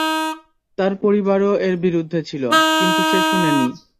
তার পরিবারও এর বিরুদ্ধে ছিল, কিন্তু সে শুনেনি।